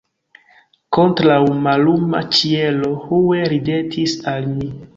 Kontraŭ malluma ĉielo Hue ridetis al mi.